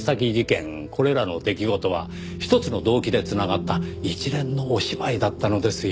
これらの出来事は一つの動機で繋がった一連のお芝居だったのですよ。